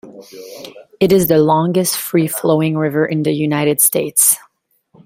It is the longest free flowing river in the United States.